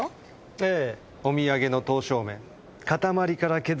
ええ。